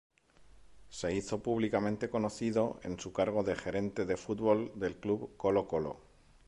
Se hizo públicamente conocido en su cargo de Gerente de Fútbol del Club Colo-Colo.